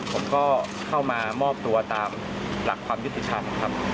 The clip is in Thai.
ผมก็เข้ามามอบตัวตามหลักความยุติธรรมครับ